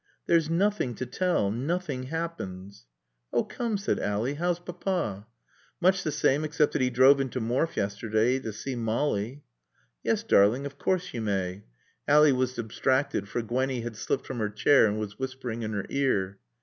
"There's nothing to tell. Nothing happens." "Oh, come," said Ally, "how's Papa?" "Much the same except that he drove into Morfe yesterday to see Molly." "Yes, darling, of course you may." Ally was abstracted, for Gwenny had slipped from her chair and was whispering in her ear.